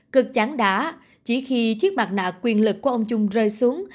cực chán đá chỉ khi chiếc mặt nạ quyền lực của ông trung rơi xuống